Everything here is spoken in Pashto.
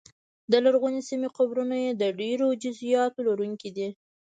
د لرغونې سیمې قبرونه یې د ډېرو جزییاتو لرونکي دي